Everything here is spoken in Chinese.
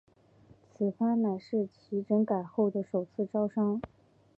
此番乃是其整改后的首次招商。